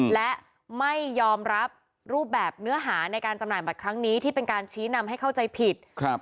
และไม่ยอมรับรูปแบบเนื้อหาในการจำหน่ายบัตรครั้งนี้ที่เป็นการชี้นำให้เข้าใจผิด